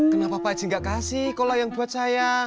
kenapa pak eci gak kasih kolak yang buat saya